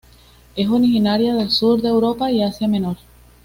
Es originaria del sur de Europa y Asia Menor.